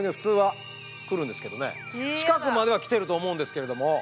近くまでは来てると思うんですけれども。